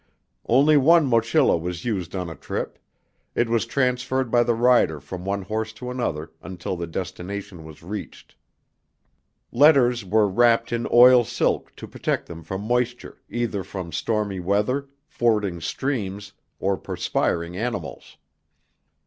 Only one mochila was used on a trip; it was transferred by the rider from one horse to another until the destination was reached. Letters were wrapped in oil silk to protect them from moisture, either from stormy weather, fording streams, or perspiring animals.